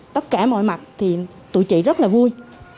tất cả mọi mặt thì tụi chị rất là vui